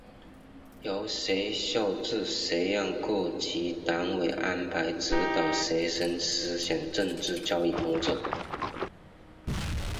由学校至学院各级党委安排指导学生思想政治教育工作。